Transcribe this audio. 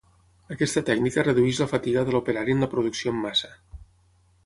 Aquesta tècnica redueix la fatiga de l'operari en la producció en massa.